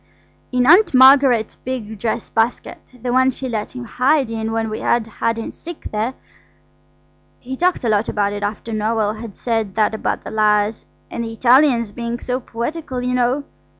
"In Aunt Margaret's big dress basket–the one she let him hide in when we had hide and seek there. He talked a lot about it after Noël had said that about the lyres–and the Italians being so poetical, you know.